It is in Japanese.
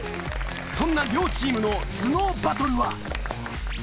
そんな両チームの頭脳バトルは？